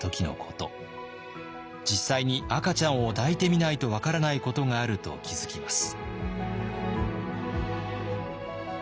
実際に赤ちゃんを抱いてみないと分からないことがあると気付きます。